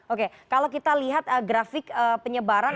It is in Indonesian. oke kalau kita lihat grafik penyebaran